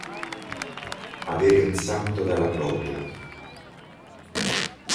Avere un santo dalla propria.